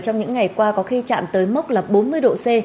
trong những ngày qua có khi chạm tới mốc là bốn mươi độ c